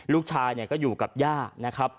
ลูกชายอยู่กับหญ้า